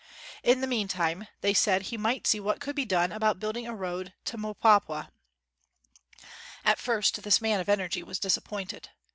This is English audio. In the meantime, they said he might see what 49 WHITE MAN OF WORK could be done about building a road to Mpwapwa. At first this man of energy was disappointed.